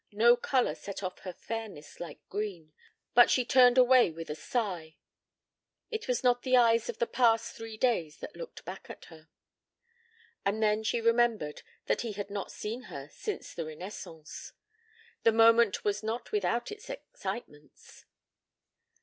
No color set off her fairness like green, but she turned away with a sigh. It was not the eyes of the past three days that looked back at her. And then she remembered that he had not seen her since the renaissance. The moment was not without its excitements.